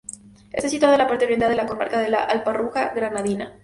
Está situada en la parte oriental de la comarca de la Alpujarra Granadina.